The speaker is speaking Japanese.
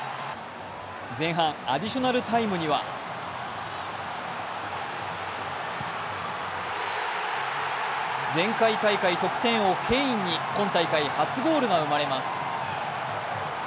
前半アディショナルタイムには前回大会得点王・ケインに今大会、初ゴールが生まれます。